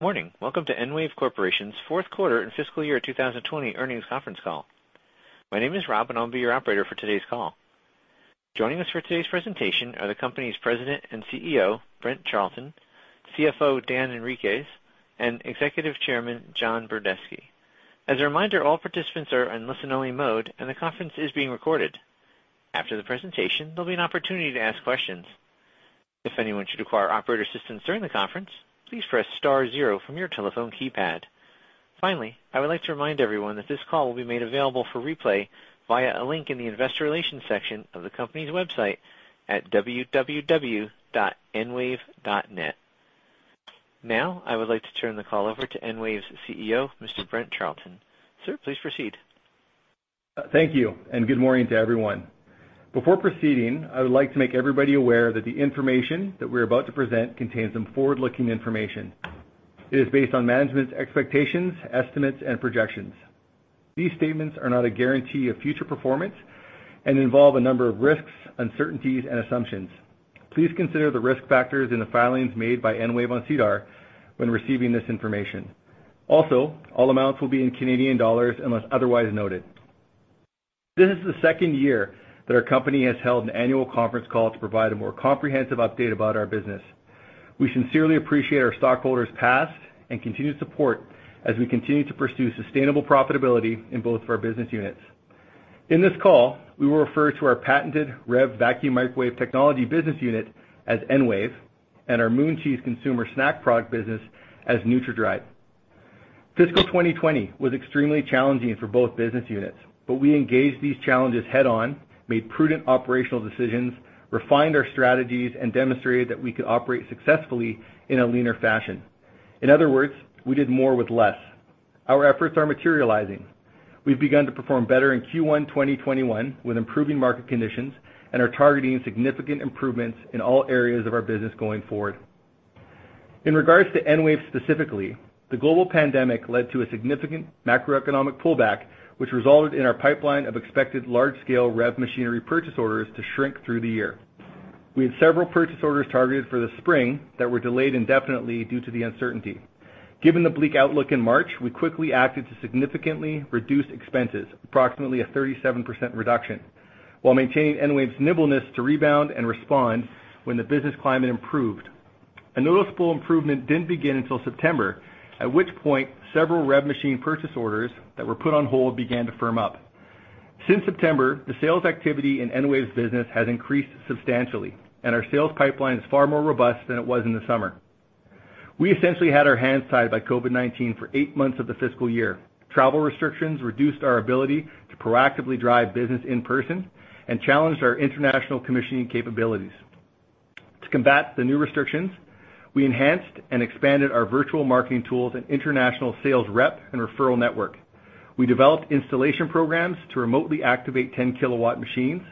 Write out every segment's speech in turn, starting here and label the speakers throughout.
Speaker 1: Good morning! Welcome to EnWave Corporation's fourth quarter and fiscal year 2020 earnings conference call. My name is Rob, and I'll be your operator for today's call. Joining us for today's presentation are the company's President and CEO, Brent Charleton, CFO, Dan Henriques, and Executive Chairman, John Budreski. As a reminder, all participants are in listen-only mode, and the conference is being recorded. After the presentation, there'll be an opportunity to ask questions. If anyone should require operator assistance during the conference, please press star zero from your telephone keypad. Finally, I would like to remind everyone that this call will be made available for replay via a link in the Investor Relations section of the company's website at www.enwave.net. Now, I would like to turn the call over to EnWave's CEO, Mr. Brent Charleton. Sir, please proceed.
Speaker 2: Thank you, and good morning to everyone. Before proceeding, I would like to make everybody aware that the information that we're about to present contains some forward-looking information. It is based on management's expectations, estimates, and projections. These statements are not a guarantee of future performance and involve a number of risks, uncertainties, and assumptions. Please consider the risk factors in the filings made by EnWave on SEDAR when receiving this information. Also, all amounts will be in Canadian dollars unless otherwise noted. This is the second year that our company has held an annual conference call to provide a more comprehensive update about our business. We sincerely appreciate our stockholders' past and continued support as we continue to pursue sustainable profitability in both of our business units. In this call, we will refer to our patented REV vacuum microwave technology business unit as EnWave, and our Moon Cheese consumer snack product business as NutraDried. Fiscal 2020 was extremely challenging for both business units, but we engaged these challenges head-on, made prudent operational decisions, refined our strategies, and demonstrated that we could operate successfully in a leaner fashion. In other words, we did more with less. Our efforts are materializing. We've begun to perform better in Q1 2021, with improving market conditions, and are targeting significant improvements in all areas of our business going forward. In regards to EnWave specifically, the global pandemic led to a significant macroeconomic pullback, which resulted in our pipeline of expected large-scale REV machinery purchase orders to shrink through the year. We had several purchase orders targeted for the spring that were delayed indefinitely due to the uncertainty. Given the bleak outlook in March, we quickly acted to significantly reduce expenses, approximately a 37% reduction, while maintaining EnWave's nimbleness to rebound and respond when the business climate improved. A noticeable improvement didn't begin until September, at which point, several REV machine purchase orders that were put on hold began to firm up. Since September, the sales activity in EnWave's business has increased substantially, and our sales pipeline is far more robust than it was in the summer. We essentially had our hands tied by COVID-19 for 8 months of the fiscal year. Travel restrictions reduced our ability to proactively drive business in person and challenged our international commissioning capabilities. To combat the new restrictions, we enhanced and expanded our virtual marketing tools and international sales rep and referral network. We developed installation programs to remotely activate 10-kilowatt machines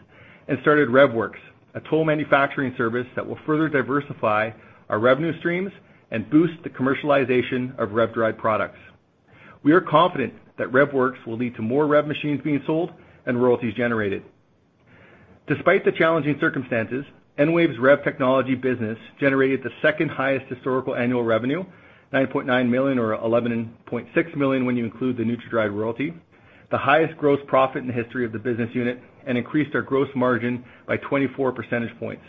Speaker 2: and started REVworx, a toll manufacturing service that will further diversify our revenue streams and boost the commercialization of REV-dried products. We are confident that REVworx will lead to more REV machines being sold and royalties generated. Despite the challenging circumstances, EnWave's REV technology business generated the second-highest historical annual revenue, 9.9 million, or 11.6 million, when you include the NutraDried royalty, the highest gross profit in the history of the business unit, and increased our gross margin by 24 percentage points.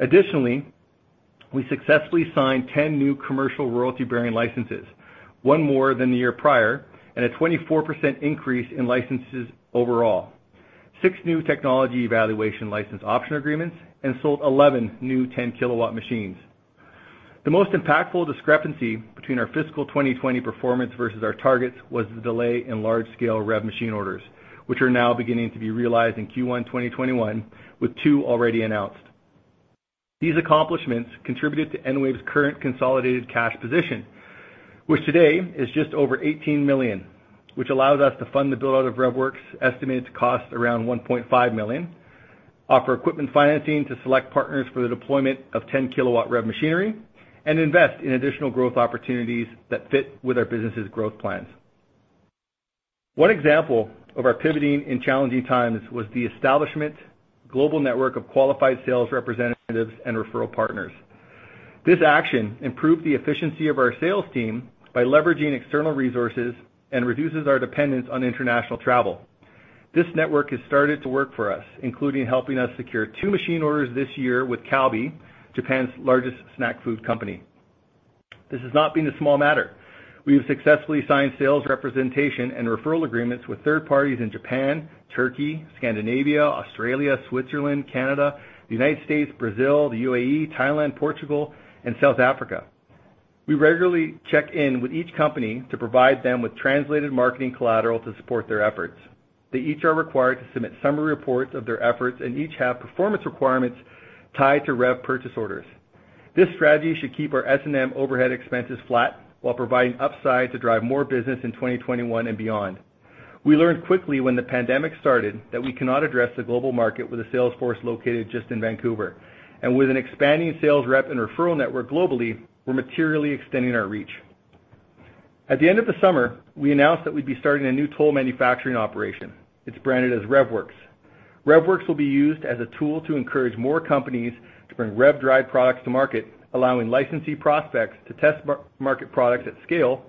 Speaker 2: Additionally, we successfully signed 10 new commercial royalty-bearing licenses, one more than the year prior, and a 24% increase in licenses overall, six new technology evaluation license option agreements, and sold 11 new 10-kilowatt machines. The most impactful discrepancy between our fiscal 2020 performance versus our targets was the delay in large-scale REV machine orders, which are now beginning to be realized in Q1 2021, with 2 already announced. These accomplishments contributed to EnWave's current consolidated cash position, which today is just over 18 million, which allows us to fund the build-out of REVworx, estimated to cost around 1.5 million, offer equipment financing to select partners for the deployment of 10-kilowatt REV machinery, and invest in additional growth opportunities that fit with our business's growth plans. One example of our pivoting in challenging times was the establishment global network of qualified sales representatives and referral partners. This action improved the efficiency of our sales team by leveraging external resources and reduces our dependence on international travel. This network has started to work for us, including helping us secure two machine orders this year with Calbee, Japan's largest snack food company. This has not been a small matter. We have successfully signed sales representation and referral agreements with third parties in Japan, Turkey, Scandinavia, Australia, Switzerland, Canada, the United States, Brazil, the UAE, Thailand, Portugal, and South Africa. We regularly check in with each company to provide them with translated marketing collateral to support their efforts. They each are required to submit summary reports of their efforts, and each have performance requirements tied to REV purchase orders. This strategy should keep our S&M overhead expenses flat while providing upside to drive more business in 2021 and beyond. We learned quickly when the pandemic started that we cannot address the global market with a sales force located just in Vancouver, and with an expanding sales rep and referral network globally, we're materially extending our reach.... At the end of the summer, we announced that we'd be starting a new toll manufacturing operation. It's branded as REVworx. REVworx will be used as a tool to encourage more companies to bring REV-dried products to market, allowing licensee prospects to test market products at scale,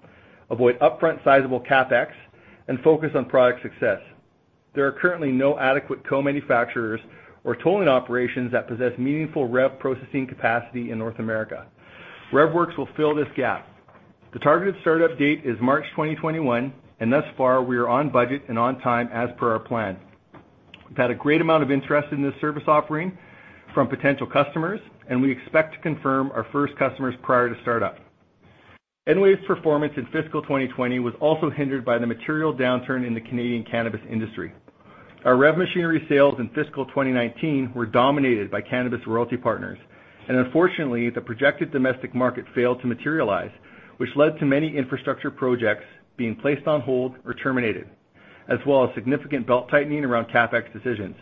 Speaker 2: avoid upfront sizable CapEx, and focus on product success. There are currently no adequate co-manufacturers or tolling operations that possess meaningful REV processing capacity in North America. REVworx will fill this gap. The targeted start-up date is March 2021, and thus far, we are on budget and on time as per our plan. We've had a great amount of interest in this service offering from potential customers, and we expect to confirm our first customers prior to start-up. EnWave's performance in fiscal 2020 was also hindered by the material downturn in the Canadian cannabis industry. Our REV machinery sales in fiscal 2019 were dominated by cannabis royalty partners, and unfortunately, the projected domestic market failed to materialize, which led to many infrastructure projects being placed on hold or terminated, as well as significant belt-tightening around CapEx decisions.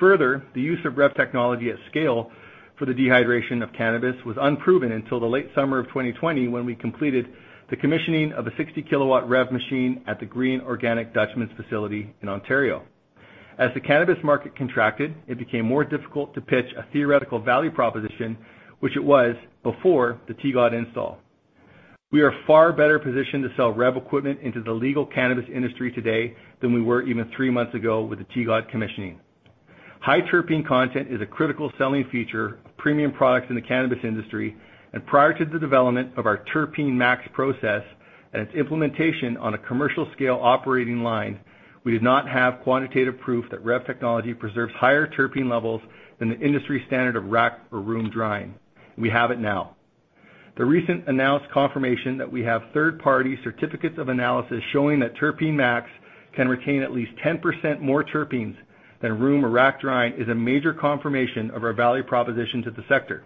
Speaker 2: Further, the use of REV technology at scale for the dehydration of cannabis was unproven until the late summer of 2020, when we completed the commissioning of a 60-kilowatt REV machine at The Green Organic Dutchman's facility in Ontario. As the cannabis market contracted, it became more difficult to pitch a theoretical value proposition, which it was before the TGOD install. We are far better positioned to sell REV equipment into the legal cannabis industry today than we were even three months ago with the TGOD commissioning. High terpene content is a critical selling feature of premium products in the cannabis industry, and prior to the development of our Terpene Max process and its implementation on a commercial scale operating line, we did not have quantitative proof that REV technology preserves higher terpene levels than the industry standard of rack or room drying. We have it now. The recent announced confirmation that we have third-party certificates of analysis showing that Terpene Max can retain at least 10% more terpenes than room or rack drying, is a major confirmation of our value proposition to the sector.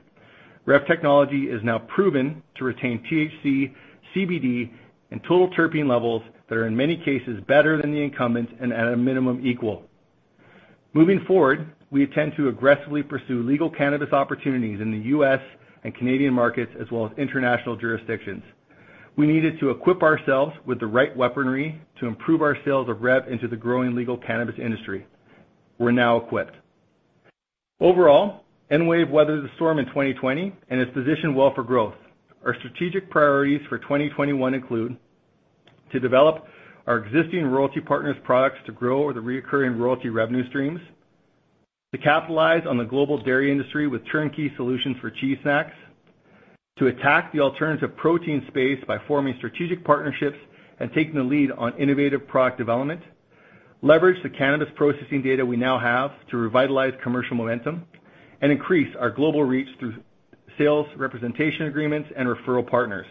Speaker 2: REV technology is now proven to retain THC, CBD, and total terpene levels that are, in many cases, better than the incumbents and at a minimum, equal. Moving forward, we intend to aggressively pursue legal cannabis opportunities in the U.S. and Canadian markets, as well as international jurisdictions. We needed to equip ourselves with the right weaponry to improve our sales of REV into the growing legal cannabis industry. We're now equipped. Overall, EnWave weathered the storm in 2020 and is positioned well for growth. Our strategic priorities for 2021 include: to develop our existing royalty partners' products to grow our recurring royalty revenue streams, to capitalize on the global dairy industry with turnkey solutions for cheese snacks, to attack the alternative protein space by forming strategic partnerships and taking the lead on innovative product development, leverage the cannabis processing data we now have to revitalize commercial momentum and increase our global reach through sales representation agreements and referral partners.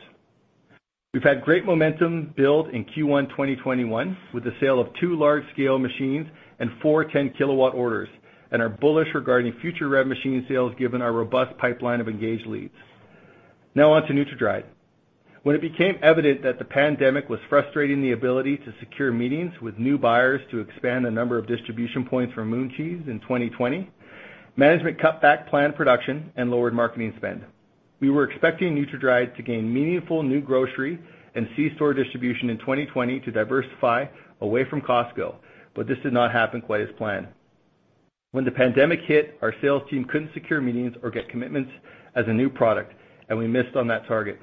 Speaker 2: We've had great momentum build in Q1 2021, with the sale of 2 large-scale machines and 4 10-kilowatt orders, and are bullish regarding future REV machine sales, given our robust pipeline of engaged leads. Now on to NutraDried. When it became evident that the pandemic was frustrating the ability to secure meetings with new buyers to expand the number of distribution points for Moon Cheese in 2020, management cut back planned production and lowered marketing spend. We were expecting NutraDried to gain meaningful new grocery and C-store distribution in 2020 to diversify away from Costco, but this did not happen quite as planned. When the pandemic hit, our sales team couldn't secure meetings or get commitments as a new product, and we missed on that target.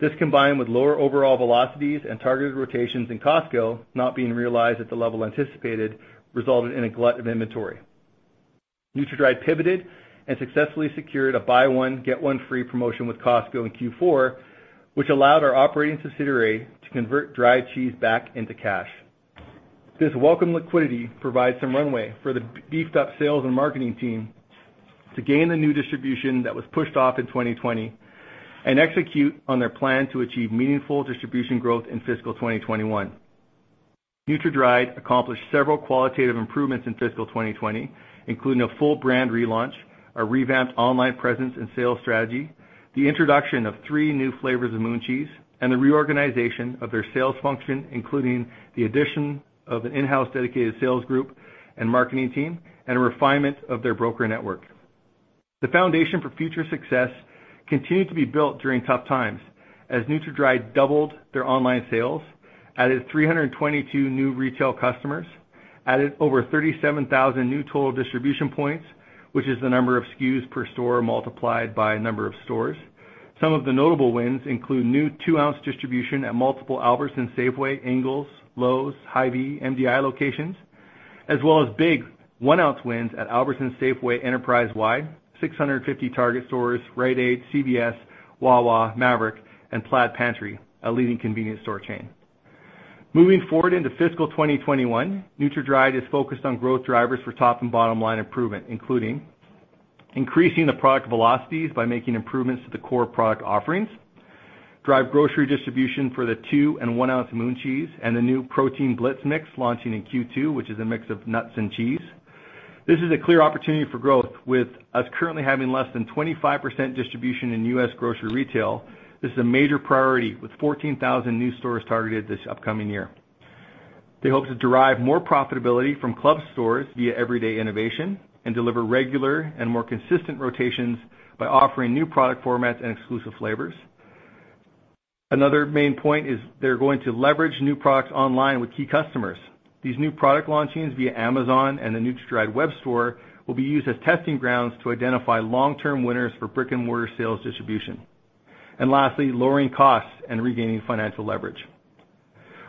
Speaker 2: This, combined with lower overall velocities and targeted rotations in Costco not being realized at the level anticipated, resulted in a glut of inventory. NutraDried pivoted and successfully secured a buy one, get one free promotion with Costco in Q4, which allowed our operating subsidiary to convert dry cheese back into cash. This welcome liquidity provides some runway for the beefed up sales and marketing team to gain the new distribution that was pushed off in 2020, and execute on their plan to achieve meaningful distribution growth in fiscal 2021. NutraDried accomplished several qualitative improvements in fiscal 2020, including a full brand relaunch, a revamped online presence and sales strategy, the introduction of three new flavors of Moon Cheese, and the reorganization of their sales function, including the addition of an in-house dedicated sales group and marketing team, and a refinement of their broker network. The foundation for future success continued to be built during tough times, as NutraDried doubled their online sales, added 322 new retail customers, added over 37,000 new total distribution points, which is the number of SKUs per store multiplied by number of stores. Some of the notable wins include new 2-ounce distribution at multiple Albertsons, Safeway, Ingles, Lowes Foods, Hy-Vee, MDI locations, as well as big 1-ounce wins at Albertsons, Safeway, enterprise-wide, 650 Target stores, Rite Aid, CVS, Wawa, Maverik, and Plaid Pantry, a leading convenience store chain. Moving forward into fiscal 2021, NutraDried is focused on growth drivers for top and bottom-line improvement, including increasing the product velocities by making improvements to the core product offerings, drive grocery distribution for the 2- and 1-ounce Moon Cheese, and the new Protein Blitz Mix launching in Q2, which is a mix of nuts and cheese. This is a clear opportunity for growth, with us currently having less than 25% distribution in US grocery retail. This is a major priority, with 14,000 new stores targeted this upcoming year. They hope to derive more profitability from club stores via everyday innovation and deliver regular and more consistent rotations by offering new product formats and exclusive flavors. Another main point is they're going to leverage new products online with key customers. These new product launchings via Amazon and the NutraDried web store will be used as testing grounds to identify long-term winners for brick-and-mortar sales distribution. And lastly, lowering costs and regaining financial leverage.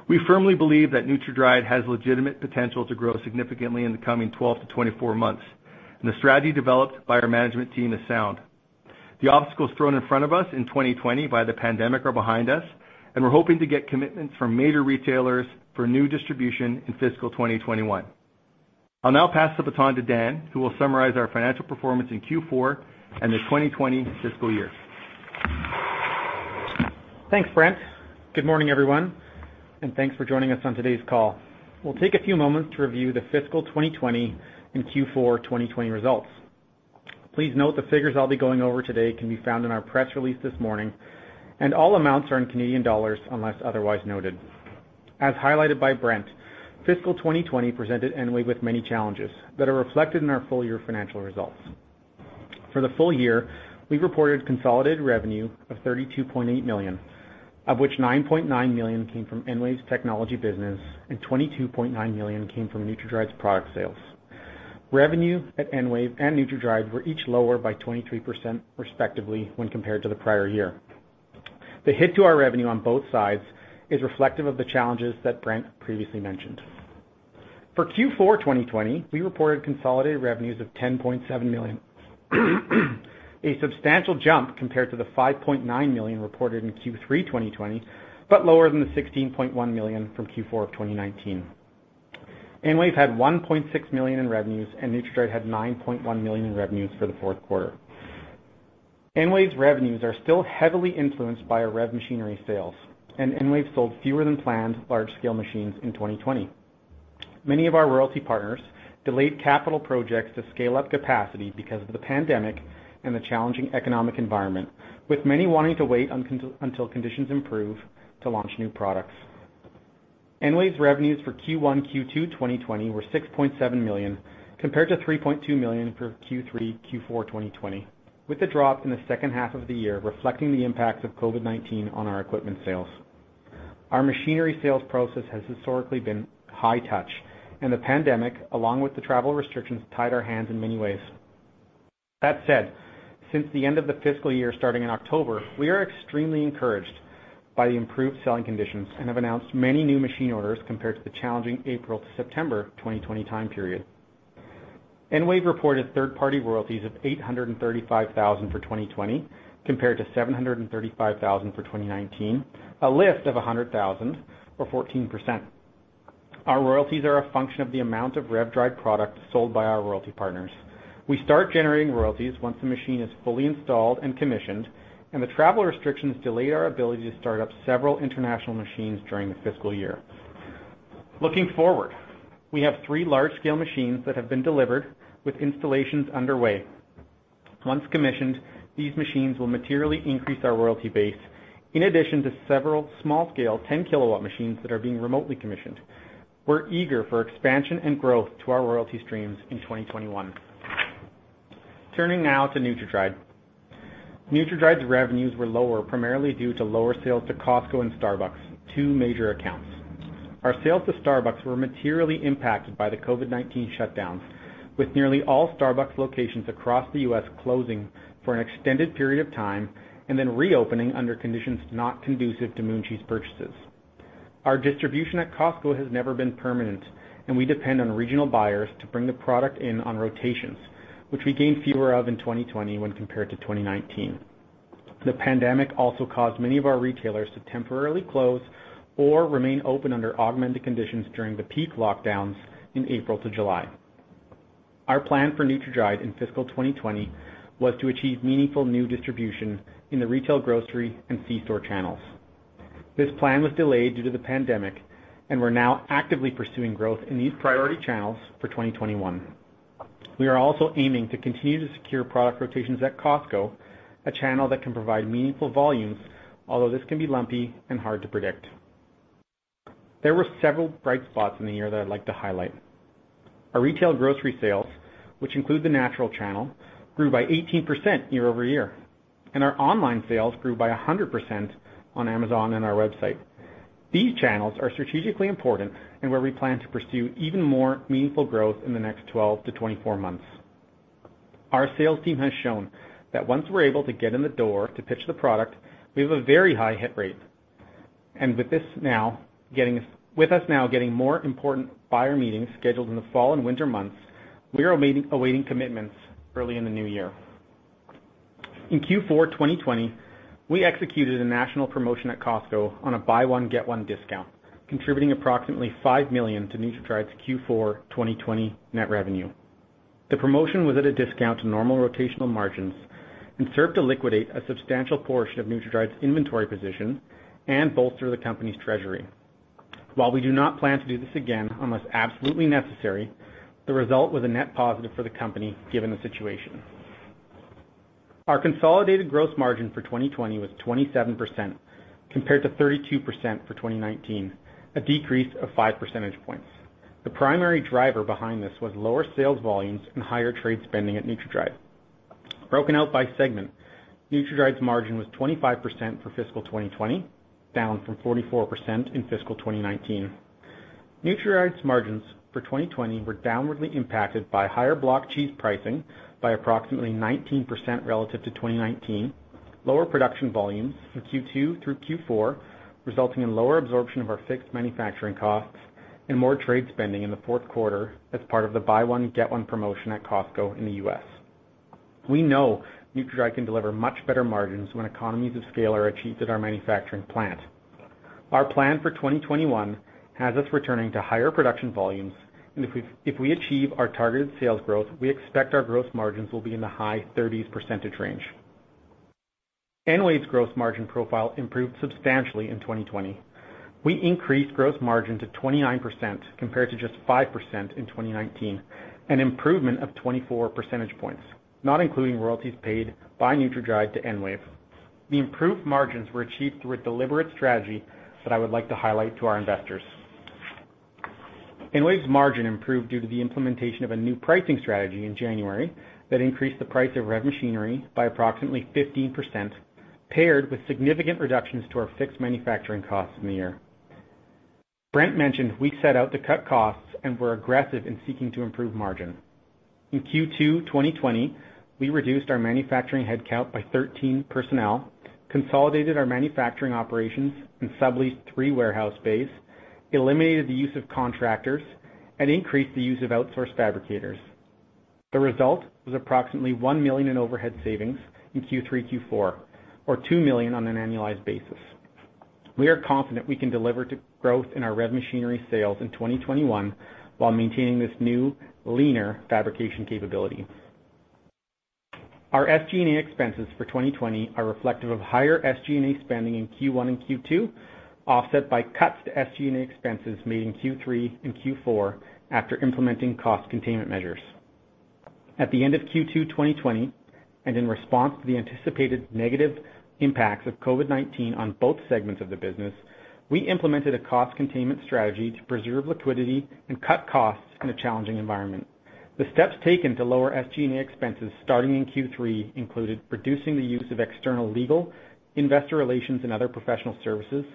Speaker 2: We firmly believe that NutraDried has legitimate potential to grow significantly in the coming 12-24 months, and the strategy developed by our management team is sound. The obstacles thrown in front of us in 2020 by the pandemic are behind us, and we're hoping to get commitments from major retailers for new distribution in fiscal 2021. I'll now pass the baton to Dan, who will summarize our financial performance in Q4 and the 2020 fiscal year.
Speaker 3: Thanks, Brent. Good morning, everyone, and thanks for joining us on today's call. We'll take a few moments to review the fiscal 2020 and Q4 2020 results. Please note, the figures I'll be going over today can be found in our press release this morning, and all amounts are in Canadian dollars, unless otherwise noted. As highlighted by Brent, fiscal 2020 presented EnWave with many challenges that are reflected in our full year financial results. For the full year, we reported consolidated revenue of 32.8 million, of which 9.9 million came from EnWave's technology business and 22.9 million came from NutraDried's product sales. Revenue at EnWave and NutraDried were each lower by 23%, respectively, when compared to the prior year. The hit to our revenue on both sides is reflective of the challenges that Brent previously mentioned. For Q4 2020, we reported consolidated revenues of 10.7 million, a substantial jump compared to the 5.9 million reported in Q3 2020, but lower than the 16.1 million from Q4 of 2019. EnWave had 1.6 million in revenues, and NutraDried had 9.1 million in revenues for the fourth quarter. EnWave's revenues are still heavily influenced by our REV machinery sales, and EnWave sold fewer than planned large-scale machines in 2020. Many of our royalty partners delayed capital projects to scale up capacity because of the pandemic and the challenging economic environment, with many wanting to wait until conditions improve to launch new products. EnWave's revenues for Q1, Q2 2020 were 6.7 million, compared to 3.2 million for Q3, Q4 2020, with the drop in the second half of the year reflecting the impacts of COVID-19 on our equipment sales. Our machinery sales process has historically been high touch, and the pandemic, along with the travel restrictions, tied our hands in many ways. That said, since the end of the fiscal year, starting in October, we are extremely encouraged by the improved selling conditions and have announced many new machine orders compared to the challenging April to September 2020 time period. EnWave reported third-party royalties of 835,000 for 2020, compared to 735,000 for 2019, a lift of 100,000 or 14%. Our royalties are a function of the amount of REV-dried product sold by our royalty partners. We start generating royalties once the machine is fully installed and commissioned, and the travel restrictions delayed our ability to start up several international machines during the fiscal year. Looking forward, we have three large-scale machines that have been delivered with installations underway. Once commissioned, these machines will materially increase our royalty base, in addition to several small-scale 10-kilowatt machines that are being remotely commissioned. We're eager for expansion and growth to our royalty streams in 2021. Turning now to NutraDried. NutraDried's revenues were lower, primarily due to lower sales to Costco and Starbucks, two major accounts. Our sales to Starbucks were materially impacted by the COVID-19 shutdowns, with nearly all Starbucks locations across the U.S. closing for an extended period of time and then reopening under conditions not conducive to Moon Cheese purchases. Our distribution at Costco has never been permanent, and we depend on regional buyers to bring the product in on rotations, which we gained fewer of in 2020 when compared to 2019. The pandemic also caused many of our retailers to temporarily close or remain open under augmented conditions during the peak lockdowns in April to July. Our plan for NutraDried in fiscal 2020 was to achieve meaningful new distribution in the retail, grocery, and C-store channels. This plan was delayed due to the pandemic, and we're now actively pursuing growth in these priority channels for 2021. We are also aiming to continue to secure product rotations at Costco, a channel that can provide meaningful volumes, although this can be lumpy and hard to predict. There were several bright spots in the year that I'd like to highlight. Our retail grocery sales, which include the natural channel, grew by 18% year-over-year, and our online sales grew by 100% on Amazon and our website. These channels are strategically important and where we plan to pursue even more meaningful growth in the next 12-24 months. Our sales team has shown that once we're able to get in the door to pitch the product, we have a very high hit rate. And with us now getting more important buyer meetings scheduled in the fall and winter months, we are awaiting commitments early in the new year. In Q4 2020, we executed a national promotion at Costco on a buy one, get one discount, contributing approximately 5 million to NutraDried's Q4 2020 net revenue. The promotion was at a discount to normal rotational margins and served to liquidate a substantial portion of NutraDried's inventory position and bolster the company's treasury. While we do not plan to do this again unless absolutely necessary, the result was a net positive for the company, given the situation. Our consolidated gross margin for 2020 was 27%, compared to 32% for 2019, a decrease of five percentage points. The primary driver behind this was lower sales volumes and higher trade spending at NutraDried. Broken out by segment, NutraDried's margin was 25% for fiscal 2020, down from 44% in fiscal 2019. NutraDried's margins for 2020 were downwardly impacted by higher block cheese pricing by approximately 19% relative to 2019, lower production volumes in Q2 through Q4, resulting in lower absorption of our fixed manufacturing costs, and more trade spending in the fourth quarter as part of the buy one get one promotion at Costco in the US. We know NutraDried can deliver much better margins when economies of scale are achieved at our manufacturing plant. Our plan for 2021 has us returning to higher production volumes, and if we achieve our targeted sales growth, we expect our gross margins will be in the high 30s% range. EnWave's gross margin profile improved substantially in 2020. We increased gross margin to 29%, compared to just 5% in 2019, an improvement of 24 percentage points, not including royalties paid by NutraDried to EnWave. The improved margins were achieved through a deliberate strategy that I would like to highlight to our investors. EnWave's margin improved due to the implementation of a new pricing strategy in January that increased the price of REV machinery by approximately 15%, paired with significant reductions to our fixed manufacturing costs in the year. Brent mentioned we set out to cut costs and were aggressive in seeking to improve margin. In Q2 2020, we reduced our manufacturing headcount by 13 personnel, consolidated our manufacturing operations, and subleased three warehouse space, eliminated the use of contractors, and increased the use of outsourced fabricators. The result was approximately 1 million in overhead savings in Q3, Q4, or 2 million on an annualized basis. We are confident we can deliver to growth in our REV machinery sales in 2021, while maintaining this new, leaner fabrication capability. Our SG&A expenses for 2020 are reflective of higher SG&A spending in Q1 and Q2, offset by cuts to SG&A expenses made in Q3 and Q4 after implementing cost containment measures. At the end of Q2 2020, and in response to the anticipated negative impacts of COVID-19 on both segments of the business, we implemented a cost containment strategy to preserve liquidity and cut costs in a challenging environment. The steps taken to lower SG&A expenses starting in Q3 included reducing the use of external legal, investor relations, and other professional services,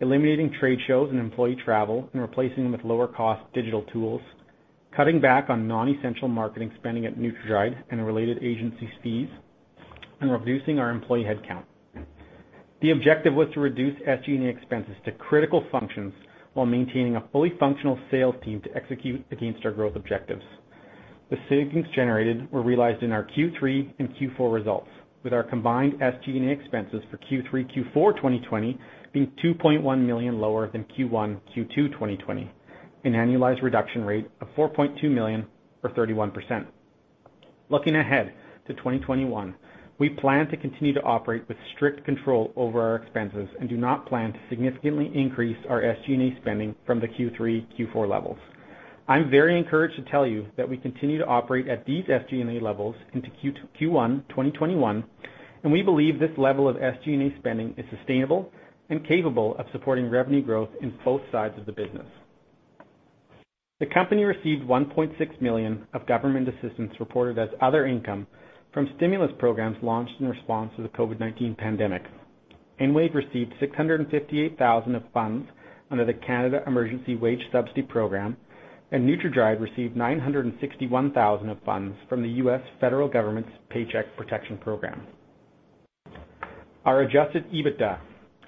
Speaker 3: eliminating trade shows and employee travel, and replacing them with lower-cost digital tools, cutting back on non-essential marketing spending at NutraDried and related agency's fees, and reducing our employee headcount. The objective was to reduce SG&A expenses to critical functions while maintaining a fully functional sales team to execute against our growth objectives. The savings generated were realized in our Q3 and Q4 results, with our combined SG&A expenses for Q3, Q4 2020 being 2.1 million lower than Q1, Q2 2020, an annualized reduction rate of 4.2 million, or 31%. Looking ahead to 2021, we plan to continue to operate with strict control over our expenses and do not plan to significantly increase our SG&A spending from the Q3, Q4 levels. I'm very encouraged to tell you that we continue to operate at these SG&A levels into Q1, 2021, and we believe this level of SG&A spending is sustainable and capable of supporting revenue growth in both sides of the business. The company received 1.6 million of government assistance reported as other income from stimulus programs launched in response to the COVID-19 pandemic. EnWave received 658,000 of funds under the Canada Emergency Wage Subsidy Program, and NutraDried received $961,000 of funds from the US Federal Government's Paycheck Protection Program. Our adjusted EBITDA,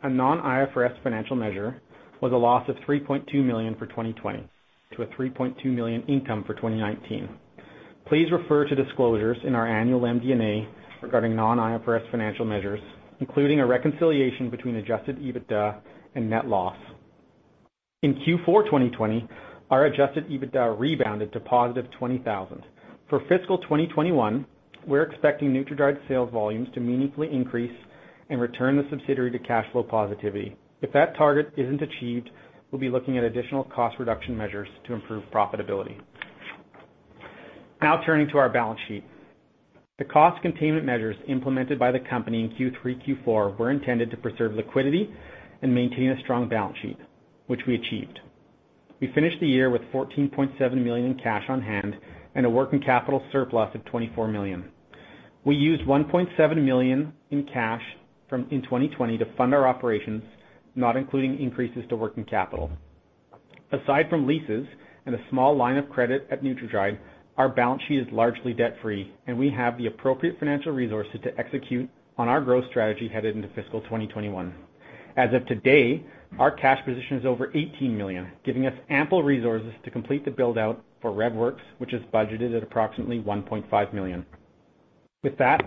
Speaker 3: a non-IFRS financial measure, was a loss of 3.2 million for 2020 to a 3.2 million income for 2019. Please refer to disclosures in our annual MD&A regarding non-IFRS financial measures, including a reconciliation between adjusted EBITDA and net loss. In Q4 2020, our adjusted EBITDA rebounded to positive 20,000. For fiscal 2021, we're expecting NutraDried sales volumes to meaningfully increase and return the subsidiary to cash flow positivity. If that target isn't achieved, we'll be looking at additional cost reduction measures to improve profitability. Now turning to our balance sheet. The cost containment measures implemented by the company in Q3, Q4 were intended to preserve liquidity and maintain a strong balance sheet, which we achieved. We finished the year with CAD 14.7 million in cash on hand and a working capital surplus of CAD 24 million. We used CAD 1.7 million in cash in 2020 to fund our operations, not including increases to working capital. Aside from leases and a small line of credit at NutraDried, our balance sheet is largely debt-free, and we have the appropriate financial resources to execute on our growth strategy headed into fiscal 2021. As of today, our cash position is over 18 million, giving us ample resources to complete the build-out for REVworx, which is budgeted at approximately 1.5 million. With that,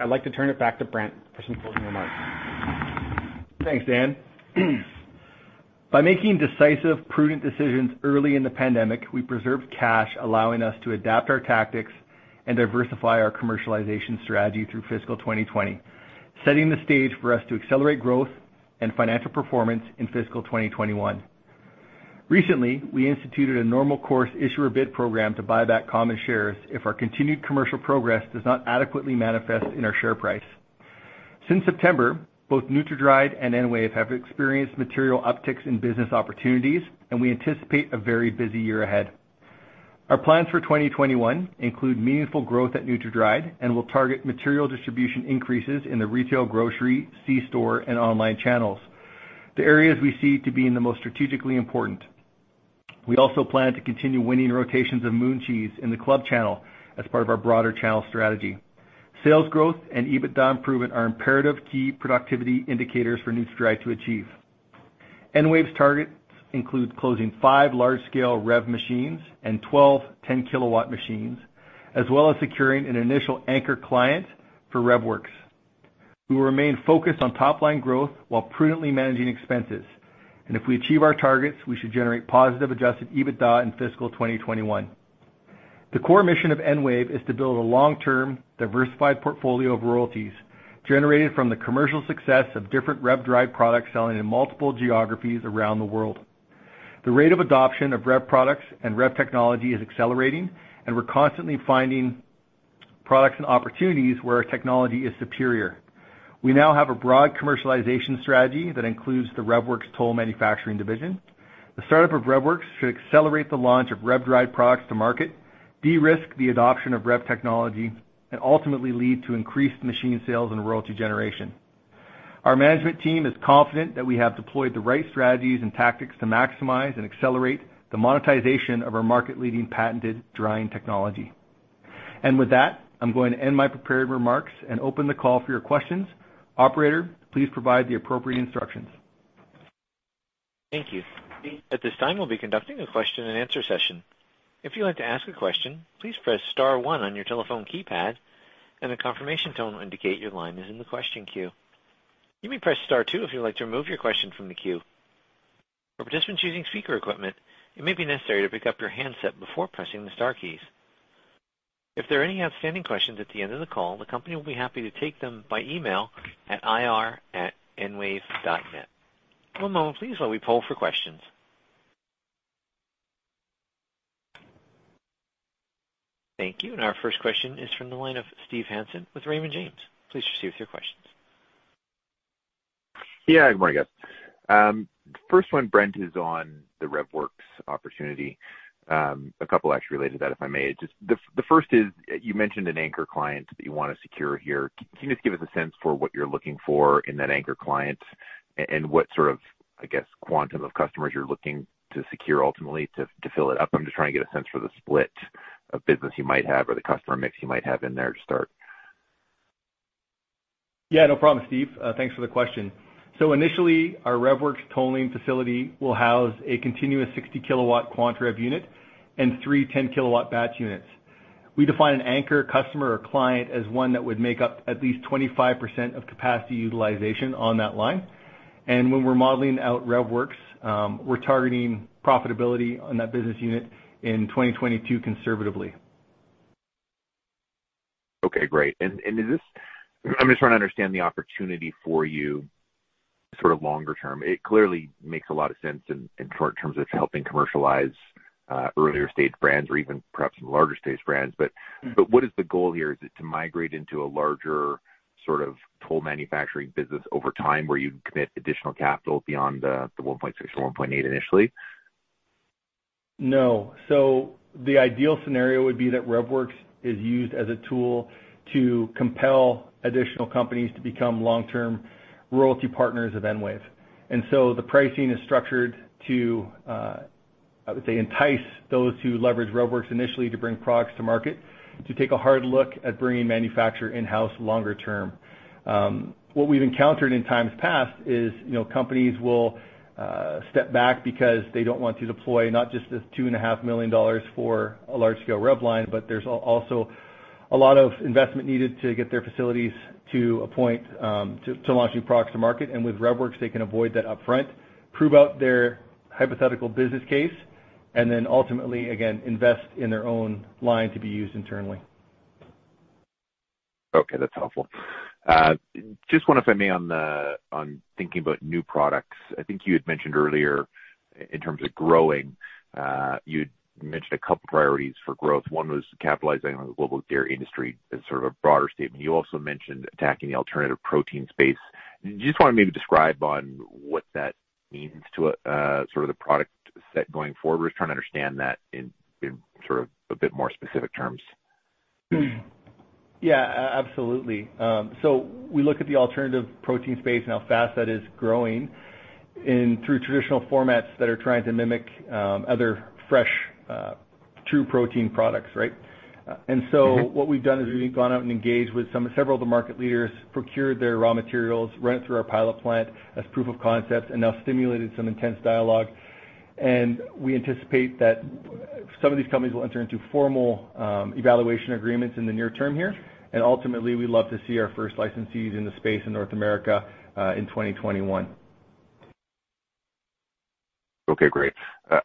Speaker 3: I'd like to turn it back to Brent for some closing remarks.
Speaker 2: Thanks, Dan. By making decisive, prudent decisions early in the pandemic, we preserved cash, allowing us to adapt our tactics and diversify our commercialization strategy through fiscal 2020, setting the stage for us to accelerate growth and financial performance in fiscal 2021. Recently, we instituted a normal course issuer bid program to buy back common shares if our continued commercial progress does not adequately manifest in our share price. Since September, both NutraDried and EnWave have experienced material upticks in business opportunities, and we anticipate a very busy year ahead. Our plans for 2021 include meaningful growth at NutraDried, and we'll target material distribution increases in the retail, grocery, C store, and online channels, the areas we see to be in the most strategically important. We also plan to continue winning rotations of Moon Cheese in the club channel as part of our broader channel strategy. Sales growth and EBITDA improvement are imperative key productivity indicators for NutraDried to achieve. EnWave's targets include closing five large-scale REV machines and 12 10-kilowatt machines, as well as securing an initial anchor client for REVworx. We will remain focused on top line growth while prudently managing expenses, and if we achieve our targets, we should generate positive adjusted EBITDA in fiscal 2021. The core mission of EnWave is to build a long-term, diversified portfolio of royalties generated from the commercial success of different REV-derived products selling in multiple geographies around the world. The rate of adoption of REV products and REV technology is accelerating, and we're constantly finding products and opportunities where our technology is superior. We now have a broad commercialization strategy that includes the REVworx toll manufacturing division. The startup of REVworx should accelerate the launch of REV-derived products to market, de-risk the adoption of REV technology, and ultimately lead to increased machine sales and royalty generation. Our management team is confident that we have deployed the right strategies and tactics to maximize and accelerate the monetization of our market-leading, patented drying technology. With that, I'm going to end my prepared remarks and open the call for your questions. Operator, please provide the appropriate instructions.
Speaker 1: Thank you. At this time, we'll be conducting a question-and-answer session. If you'd like to ask a question, please press star one on your telephone keypad, and a confirmation tone will indicate your line is in the question queue. You may press star two if you'd like to remove your question from the queue. For participants using speaker equipment, it may be necessary to pick up your handset before pressing the star keys. If there are any outstanding questions at the end of the call, the company will be happy to take them by email at ir@enwave.net. One moment, please, while we poll for questions. Thank you, and our first question is from the line of Steve Hansen with Raymond James. Please proceed with your questions.
Speaker 4: Yeah, good morning, guys. First one, Brent, is on the REVworx opportunity. A couple actually related to that, if I may. Just the first is, you mentioned an anchor client that you want to secure here. Can you just give us a sense for what you're looking for in that anchor client and what sort of, I guess, quantum of customers you're looking to secure ultimately to fill it up? I'm just trying to get a sense for the split of business you might have or the customer mix you might have in there to start.
Speaker 2: Yeah, no problem, Steve. Thanks for the question. So initially, our REVworx tolling facility will house a continuous 60-kilowatt quantaREV unit and three 10-kilowatt batch units. We define an anchor customer or client as one that would make up at least 25% of capacity utilization on that line. And when we're modeling out REVworx, we're targeting profitability on that business unit in 2022 conservatively.
Speaker 4: Okay, great. And is this, I'm just trying to understand the opportunity for you sort of longer term. It clearly makes a lot of sense in short terms, it's helping commercialize earlier stage brands or even perhaps larger stage brands. But what is the goal here? Is it to migrate into a larger sort of toll manufacturing business over time, where you commit additional capital beyond the 1.6 or 1.8 initially?
Speaker 2: No. So the ideal scenario would be that REVworx is used as a tool to compel additional companies to become long-term royalty partners of EnWave. And so the pricing is structured to, I would say, entice those who leverage REVworx initially to bring products to market, to take a hard look at bringing manufacture in-house longer term. What we've encountered in times past is, you know, companies will step back because they don't want to deploy not just the 2.5 million dollars for a large-scale REV line, but there's also a lot of investment needed to get their facilities to a point, to launch new products to market. And with REVworx, they can avoid that upfront, prove out their hypothetical business case, and then ultimately, again, invest in their own line to be used internally.
Speaker 4: Okay, that's helpful. Just one, if I may, on thinking about new products. I think you had mentioned earlier, in terms of growing, you'd mentioned a couple priorities for growth. One was capitalizing on the global dairy industry as sort of a broader statement. You also mentioned attacking the alternative protein space. Do you just want to maybe describe on what that means to, sort of the product set going forward? We're just trying to understand that in sort of a bit more specific terms.
Speaker 2: Yeah, absolutely. So we look at the alternative protein space and how fast that is growing in through traditional formats that are trying to mimic other fresh true protein products, right?
Speaker 4: Mm-hmm.
Speaker 2: And so what we've done is we've gone out and engaged with some, several of the market leaders, procured their raw materials, run it through our pilot plant as proof of concept, and now stimulated some intense dialogue. We anticipate that some of these companies will enter into formal evaluation agreements in the near term here, and ultimately, we'd love to see our first licensees in the space in North America in 2021.
Speaker 4: Okay, great.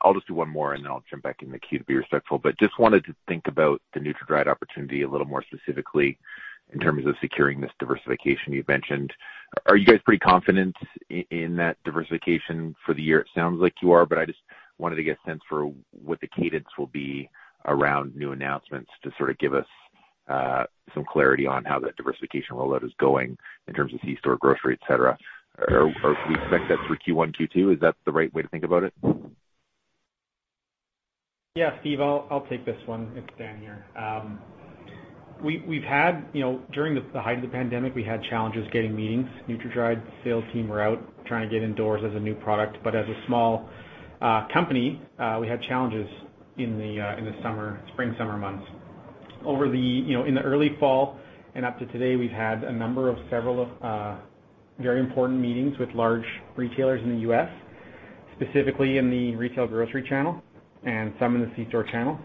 Speaker 4: I'll just do one more, and then I'll jump back in the queue to be respectful. But just wanted to think about the NutraDried opportunity a little more specifically in terms of securing this diversification you've mentioned.... Are you guys pretty confident in that diversification for the year? It sounds like you are, but I just wanted to get a sense for what the cadence will be around new announcements to sort of give us some clarity on how that diversification rollout is going in terms of C store, grocery, et cetera. Or, we expect that for Q1, Q2, is that the right way to think about it?
Speaker 3: Yeah, Steve, I'll take this one. It's Dan here. We've had, you know, during the height of the pandemic, we had challenges getting meetings. NutraDried sales team were out trying to get in doors as a new product. But as a small company, we had challenges in the spring, summer months. Over the, you know, in the early fall and up to today, we've had a number of several of very important meetings with large retailers in the US, specifically in the retail grocery channel and some in the C store channel.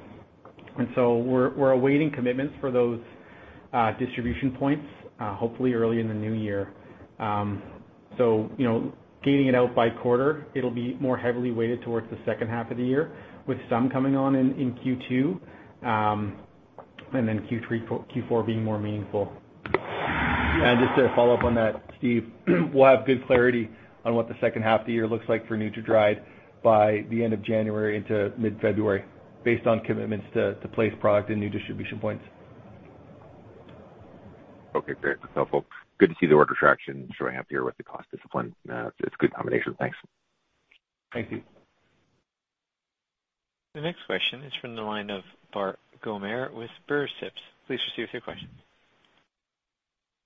Speaker 3: And so we're awaiting commitments for those distribution points, hopefully early in the new year. So, you know, gaining it out by quarter, it'll be more heavily weighted towards the second half of the year, with some coming on in Q2, and then Q3, Q4 being more meaningful.
Speaker 2: Just to follow up on that, Steve, we'll have good clarity on what the second half of the year looks like for NutraDried by the end of January into mid-February, based on commitments to place product in new distribution points.
Speaker 4: Okay, great. That's helpful. Good to see the order traction. Sure, I'm happier with the cost discipline. It's a good combination. Thanks.
Speaker 3: Thank you.
Speaker 1: The next question is from the line of Bart Gommere with Berenberg. Please proceed with your question.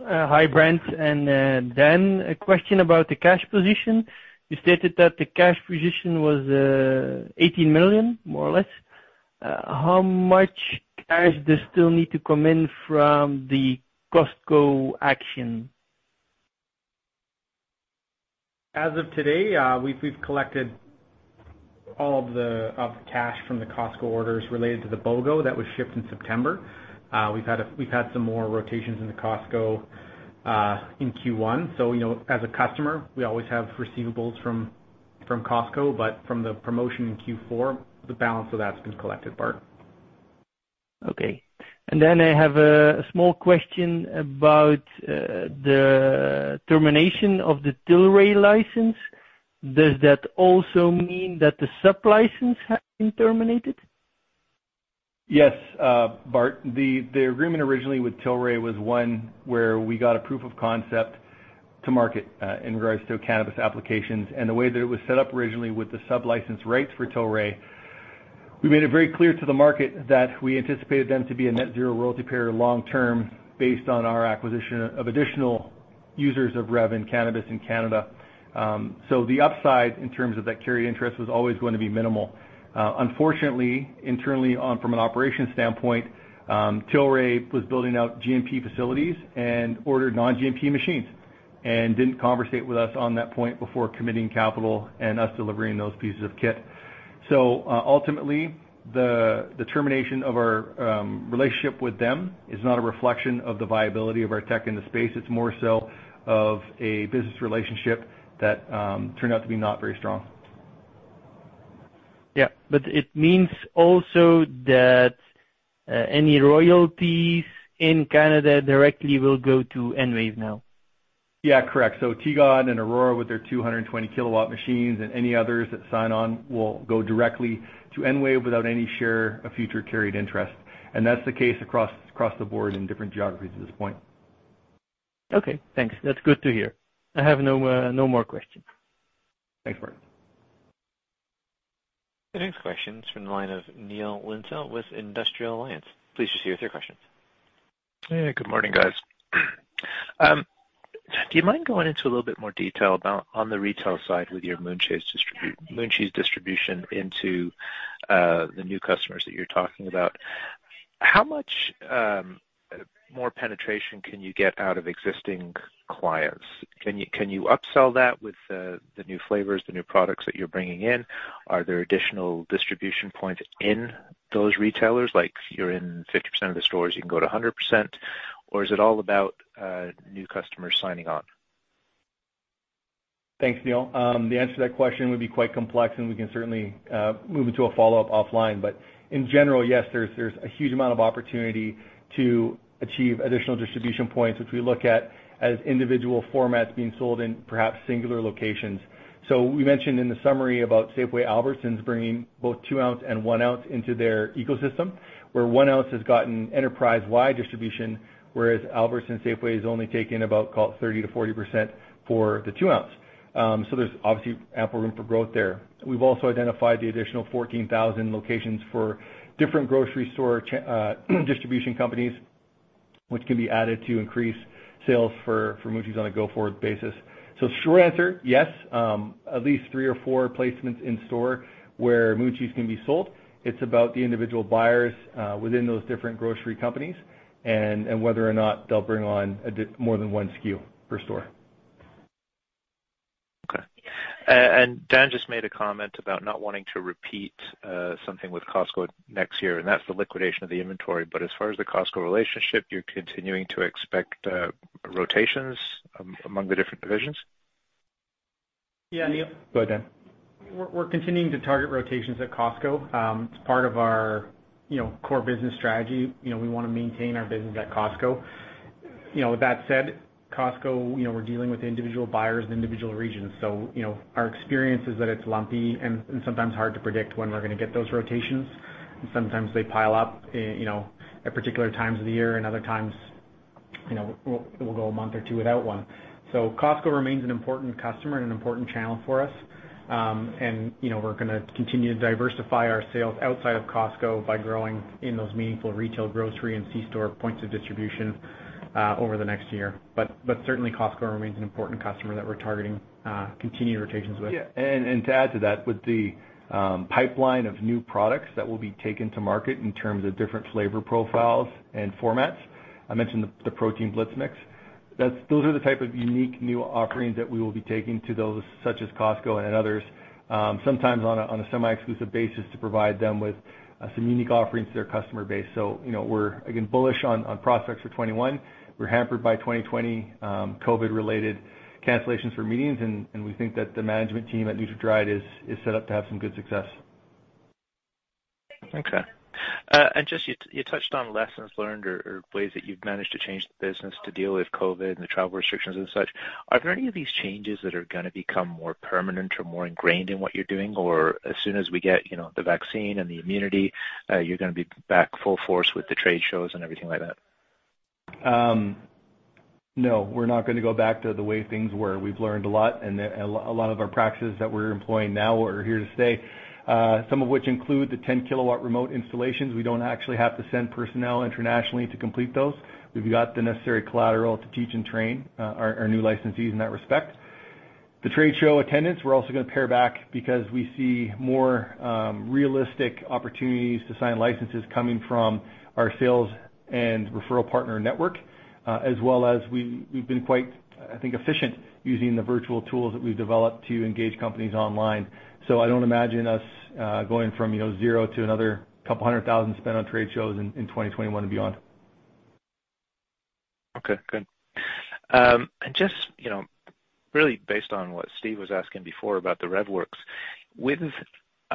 Speaker 5: Hi, Brent and Dan. A question about the cash position. You stated that the cash position was 18 million, more or less. How much cash does still need to come in from the Costco action?
Speaker 3: As of today, we've collected all of the cash from the Costco orders related to the BOGO that was shipped in September. We've had some more rotations in the Costco in Q1. So, you know, as a customer, we always have receivables from Costco, but from the promotion in Q4, the balance of that's been collected, Bart.
Speaker 5: Okay. And then I have a small question about the termination of the Tilray license. Does that also mean that the sub-license has been terminated?
Speaker 2: Yes, Bart. The agreement originally with Tilray was one where we got a proof of concept to market, in regards to cannabis applications. And the way that it was set up originally with the sub-license rights for Tilray, we made it very clear to the market that we anticipated them to be a net zero royalty payer long term, based on our acquisition of additional users of REV in cannabis in Canada. So the upside in terms of that carry interest, was always going to be minimal. Unfortunately, internally, from an operations standpoint, Tilray was building out GMP facilities and ordered non-GMP machines, and didn't conversate with us on that point before committing capital and us delivering those pieces of kit. So, ultimately, the termination of our relationship with them is not a reflection of the viability of our tech in the space. It's more so of a business relationship that turned out to be not very strong.
Speaker 5: Yeah, but it means also that any royalties in Canada directly will go to EnWave now.
Speaker 2: Yeah, correct. So TGOD and Aurora, with their 220-kilowatt machines and any others that sign on, will go directly to EnWave without any share of future carried interest. And that's the case across the board in different geographies at this point.
Speaker 5: Okay, thanks. That's good to hear. I have no, no more questions.
Speaker 2: Thanks, Bart.
Speaker 1: The next question is from the line of Neil Linsdell with Industrial Alliance. Please go ahead with your questions.
Speaker 6: Yeah, good morning, guys. Do you mind going into a little bit more detail about, on the retail side with your Moon Cheese distribution into, the new customers that you're talking about? How much more penetration can you get out of existing clients? Can you, can you upsell that with the, the new flavors, the new products that you're bringing in? Are there additional distribution points in those retailers? Like you're in 50% of the stores, you can go to 100%, or is it all about, new customers signing on?
Speaker 2: Thanks, Neil. The answer to that question would be quite complex, and we can certainly move into a follow-up offline. But in general, yes, there's, there's a huge amount of opportunity to achieve additional distribution points, which we look at as individual formats being sold in perhaps singular locations. So we mentioned in the summary about Safeway Albertsons bringing both 2-ounce and 1-ounce into their ecosystem, where 1-ounce has gotten enterprise-wide distribution, whereas Albertsons and Safeway has only taken about call it 30%-40% for the 2-ounce. So there's obviously ample room for growth there. We've also identified the additional 14,000 locations for different grocery store distribution companies, which can be added to increase sales for, for Moon Cheese on a go-forward basis. So short answer, yes, at least three or four placements in store where Moon Cheese can be sold. It's about the individual buyers within those different grocery companies and whether or not they'll bring on more than one SKU per store.
Speaker 6: Okay. And Dan just made a comment about not wanting to repeat something with Costco next year, and that's the liquidation of the inventory. But as far as the Costco relationship, you're continuing to expect rotations among the different divisions?...
Speaker 3: Yeah, Neil.
Speaker 2: Go ahead.
Speaker 3: We're continuing to target rotations at Costco. It's part of our, you know, core business strategy. You know, we want to maintain our business at Costco. You know, with that said, Costco, you know, we're dealing with individual buyers in individual regions. So, you know, our experience is that it's lumpy and sometimes hard to predict when we're going to get those rotations. And sometimes they pile up, you know, at particular times of the year, and other times, you know, we'll go a month or two without one. So Costco remains an important customer and an important channel for us. And, you know, we're going to continue to diversify our sales outside of Costco by growing in those meaningful retail, grocery, and C-store points of distribution, over the next year. But certainly, Costco remains an important customer that we're targeting continued rotations with.
Speaker 2: Yeah. And to add to that, with the pipeline of new products that will be taken to market in terms of different flavor profiles and formats, I mentioned the Protein Blitz Mix. Those are the type of unique new offerings that we will be taking to those, such as Costco and others, sometimes on a semi-exclusive basis, to provide them with some unique offerings to their customer base. So, you know, we're again bullish on prospects for 2021. We're hampered by 2020 COVID-related cancellations for meetings, and we think that the management team at NutraDried is set up to have some good success.
Speaker 6: Okay. And just, you touched on lessons learned or ways that you've managed to change the business to deal with COVID and the travel restrictions and such. Are there any of these changes that are going to become more permanent or more ingrained in what you're doing? Or as soon as we get, you know, the vaccine and the immunity, you're going to be back full force with the trade shows and everything like that?
Speaker 2: No, we're not going to go back to the way things were. We've learned a lot, and a lot of our practices that we're employing now are here to stay, some of which include the 10-kilowatt remote installations. We don't actually have to send personnel internationally to complete those. We've got the necessary collateral to teach and train our new licensees in that respect. The trade show attendance, we're also going to pare back because we see more realistic opportunities to sign licenses coming from our sales and referral partner network, as well as we've been quite, I think, efficient using the virtual tools that we've developed to engage companies online. So I don't imagine us going from, you know, zero to another 200,000 spent on trade shows in 2021 and beyond.
Speaker 6: Okay, good. And just, you know, really based on what Steve was asking before about the REVworx.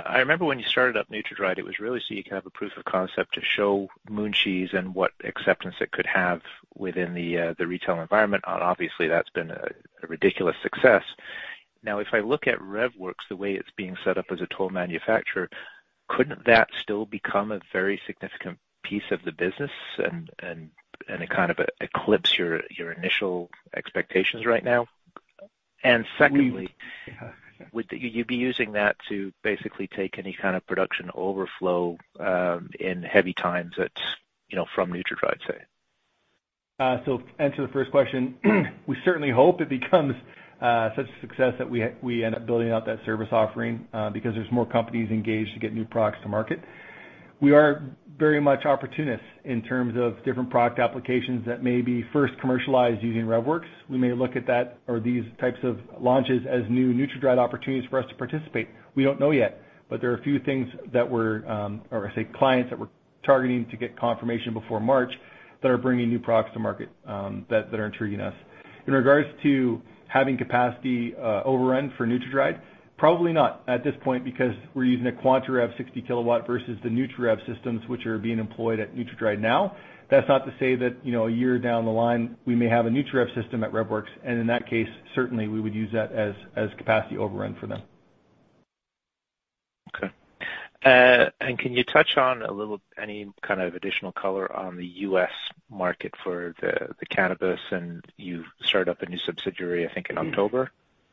Speaker 6: I remember when you started up NutraDried, it was really so you could have a proof of concept to show Moon Cheese and what acceptance it could have within the retail environment. And obviously, that's been a ridiculous success. Now, if I look at REVworx, the way it's being set up as a toll manufacturer, couldn't that still become a very significant piece of the business and it kind of eclipse your initial expectations right now? And secondly-
Speaker 2: We-
Speaker 6: Would you, you'd be using that to basically take any kind of production overflow, in heavy times that's, you know, from NutraDried, say?
Speaker 2: So to answer the first question, we certainly hope it becomes such a success that we end up building out that service offering, because there's more companies engaged to get new products to market. We are very much opportunists in terms of different product applications that may be first commercialized using REVworx. We may look at that or these types of launches as new NutraDried opportunities for us to participate. We don't know yet, but there are a few clients that we're targeting to get confirmation before March, that are bringing new products to market, that are intriguing us. In regards to having capacity overrun for NutraDried, probably not at this point, because we're using a quantaREV 60-kilowatt versus the nutraREV systems, which are being employed at NutraDried now. That's not to say that, you know, a year down the line, we may have a nutraREV system at REVworx, and in that case, certainly, we would use that as, as capacity overrun for them.
Speaker 6: Okay. And can you touch on a little, any kind of additional color on the US market for the, the cannabis? And you've started up a new subsidiary, I think, in October,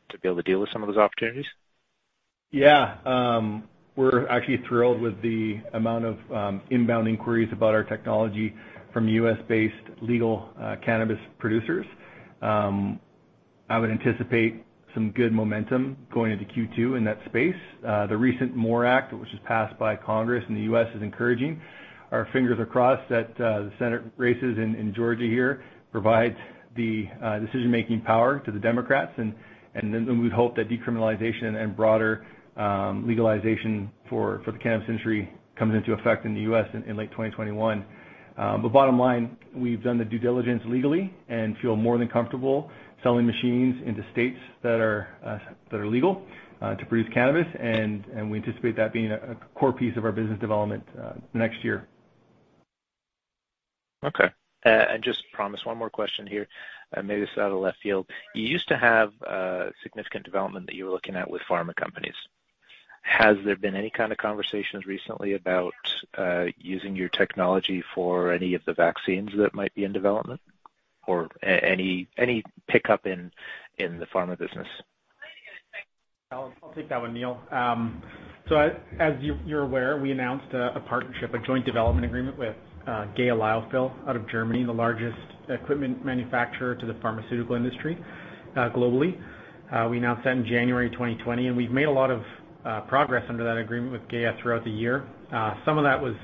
Speaker 6: to be able to deal with some of those opportunities.
Speaker 2: Yeah. We're actually thrilled with the amount of inbound inquiries about our technology from U.S.-based legal cannabis producers. I would anticipate some good momentum going into Q2 in that space. The recent MORE Act, which was passed by Congress in the U.S., is encouraging. Our fingers are crossed that the Senate races in Georgia here provide the decision-making power to the Democrats, and then, we hope that decriminalization and broader legalization for the cannabis industry comes into effect in the U.S. in late 2021. But bottom line, we've done the due diligence legally and feel more than comfortable selling machines into states that are legal to produce cannabis, and we anticipate that being a core piece of our business development next year.
Speaker 6: Okay. And just promise one more question here, and maybe it's out of left field. You used to have significant development that you were looking at with pharma companies. Has there been any kind of conversations recently about using your technology for any of the vaccines that might be in development, or any pickup in the pharma business?
Speaker 3: I'll take that one, Neil. So as you're aware, we announced a partnership, a joint development agreement with GEA Lyophil out of Germany, the largest equipment manufacturer to the pharmaceutical industry globally. We announced that in January 2020, and we've made a lot of progress under that agreement with GEA throughout the year. Some of that was,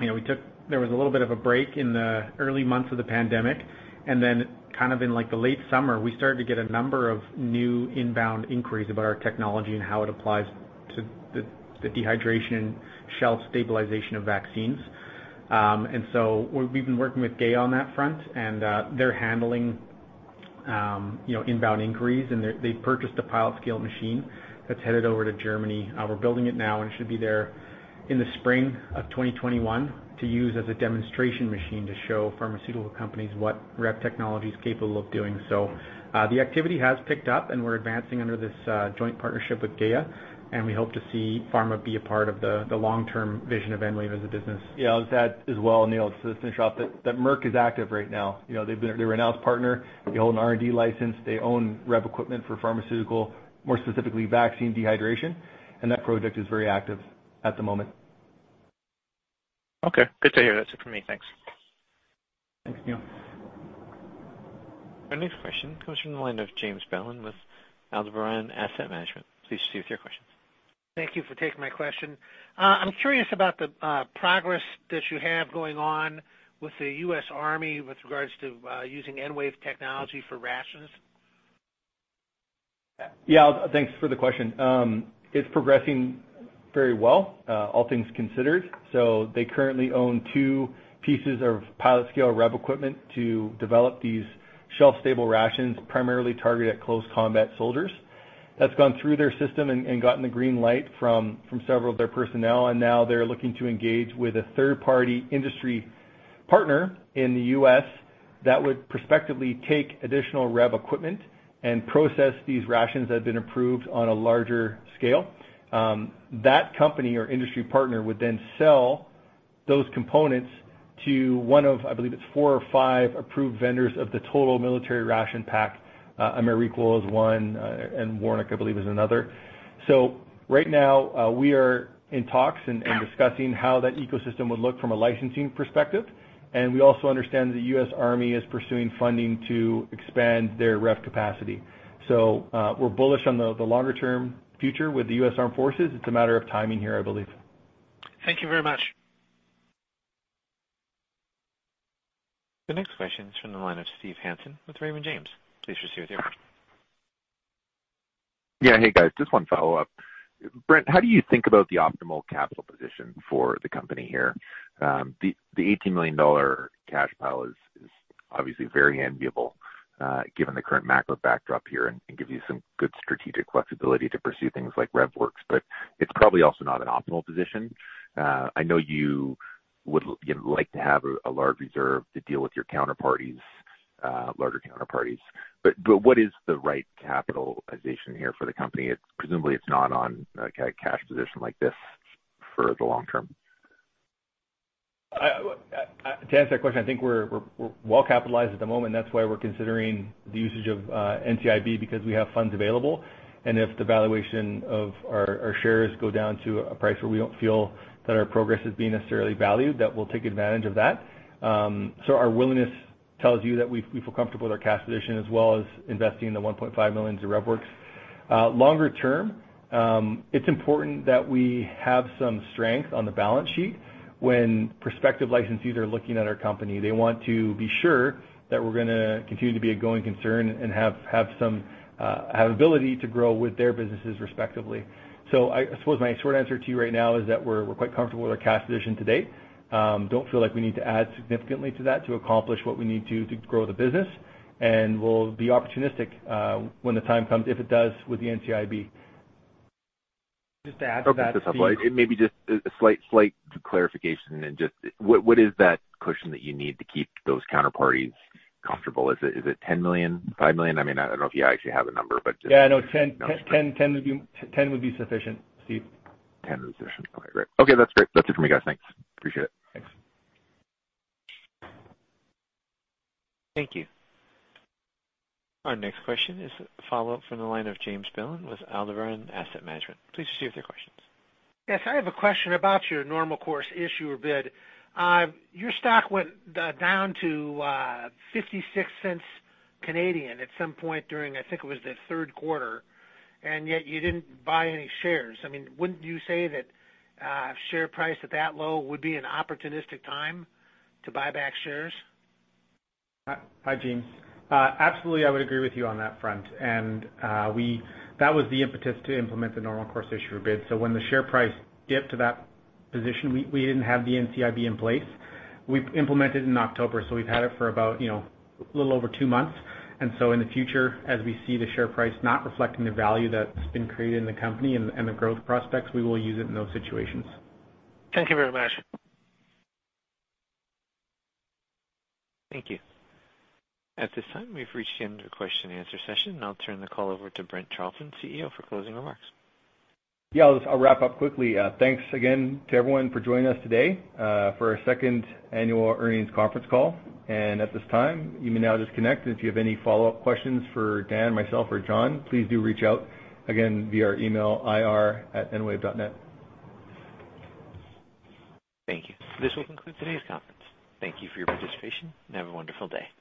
Speaker 3: you know, there was a little bit of a break in the early months of the pandemic, and then kind of in, like, the late summer, we started to get a number of new inbound inquiries about our technology and how it applies to the dehydration and shelf stabilization of vaccines. And so we've been working with GEA on that front, and they're handling, you know, inbound inquiries, and they purchased a pilot scale machine that's headed over to Germany. We're building it now, and it should be there in the spring of 2021 to use as a demonstration machine to show pharmaceutical companies what REV technology is capable of doing. So, the activity has picked up, and we're advancing under this joint partnership with GEA, and we hope to see pharma be a part of the long-term vision of EnWave as a business.
Speaker 2: Yeah, I'll just add as well, Neil, just to finish off, that Merck is active right now. You know, they've been. They're an announced partner. They own an R&D license. They own REV equipment for pharmaceutical, more specifically, vaccine dehydration, and that project is very active at the moment.
Speaker 6: Okay, good to hear. That's it for me. Thanks.
Speaker 3: Thanks, Neil.
Speaker 1: Our next question comes from the line of James Bellin with Aldebaran Asset Management. Please proceed with your question.
Speaker 7: Thank you for taking my question. I'm curious about the progress that you have going on with the U.S. Army with regards to using EnWave technology for rations.
Speaker 2: Yeah, thanks for the question. It's progressing very well, all things considered. So they currently own two pieces of pilot scale REV equipment to develop these shelf-stable rations, primarily targeted at close combat soldiers. That's gone through their system and gotten the green light from several of their personnel, and now they're looking to engage with a third-party industry partner in the U.S. that would prospectively take additional REV equipment and process these rations that have been approved on a larger scale. That company or industry partner would then sell those components to one of, I believe, it's four or five approved vendors of the total military ration pack. AmeriQual is one, and Wornick, I believe, is another. So right now, we are in talks and discussing how that ecosystem would look from a licensing perspective, and we also understand the U.S. Army is pursuing funding to expand their REV capacity. So, we're bullish on the longer-term future with the U.S. Armed Forces. It's a matter of timing here, I believe.
Speaker 7: Thank you very much.
Speaker 1: The next question is from the line of Steve Hansen with Raymond James. Please proceed with your question.
Speaker 4: Yeah. Hey, guys, just one follow-up. Brent, how do you think about the optimal capital position for the company here? The 80 million dollar cash pile is obviously very enviable, given the current macro backdrop here, and gives you some good strategic flexibility to pursue things like REVworx, but it's probably also not an optimal position. I know you would you know, like to have a large reserve to deal with your counterparties, larger counterparties, but what is the right capitalization here for the company? It's presumably it's not on a cash position like this for the long term.
Speaker 2: To answer that question, I think we're well capitalized at the moment. That's why we're considering the usage of NCIB, because we have funds available, and if the valuation of our shares go down to a price where we don't feel that our progress is being necessarily valued, that we'll take advantage of that. So our willingness tells you that we feel comfortable with our cash position, as well as investing 1.5 million into REVworx. Longer term, it's important that we have some strength on the balance sheet when prospective licensees are looking at our company. They want to be sure that we're going to continue to be a going concern and have some ability to grow with their businesses respectively. So I suppose my short answer to you right now is that we're quite comfortable with our cash position to date. Don't feel like we need to add significantly to that to accomplish what we need to grow the business, and we'll be opportunistic when the time comes, if it does, with the NCIB.
Speaker 3: Just to add to that-
Speaker 4: Okay, just a slight clarification and just what is that cushion that you need to keep those counterparties comfortable? Is it 10 million, 5 million? I mean, I don't know if you actually have a number, but just-
Speaker 2: Yeah, I know 10. 10, 10 would be - 10 would be sufficient, Steve.
Speaker 4: 10 would be sufficient. All right, great. Okay, that's great. That's it for me, guys. Thanks. Appreciate it.
Speaker 2: Thanks.
Speaker 1: Thank you. Our next question is a follow-up from the line of James Bellin with Aldebaran Asset Management. Please proceed with your questions.
Speaker 7: Yes, I have a question about your normal course issue or bid. Your stock went down to 0.56 at some point during, I think it was the third quarter, and yet you didn't buy any shares. I mean, wouldn't you say that share price at that low would be an opportunistic time to buy back shares?
Speaker 2: Hi, James. Absolutely, I would agree with you on that front. That was the impetus to implement the normal course issuer bid. So when the share price dipped to that position, we didn't have the NCIB in place. We've implemented it in October, so we've had it for about, you know, a little over two months. And so in the future, as we see the share price not reflecting the value that's been created in the company and the growth prospects, we will use it in those situations.
Speaker 7: Thank you very much.
Speaker 1: Thank you. At this time, we've reached the end of the question and answer session. I'll turn the call over to Brent Charleton, CEO, for closing remarks.
Speaker 2: Yeah, I'll just, I'll wrap up quickly. Thanks again to everyone for joining us today for our second annual earnings conference call. At this time, you may now disconnect. If you have any follow-up questions for Dan, myself, or John, please do reach out again via our email, ir@enwave.net.
Speaker 1: Thank you. This will conclude today's conference. Thank you for your participation, and have a wonderful day.